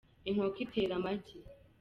inkoko itera amagi